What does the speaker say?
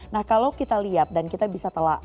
nah kalau kita lihat dan kita bisa telah lihat itu kan